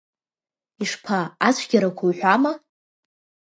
Ишԥа, ацәгьарақәа уҳәама?